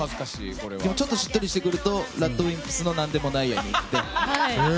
ちょっとしっとりしてくるとＲＡＤＷＩＭＰＳの「なんでもないや」に行って。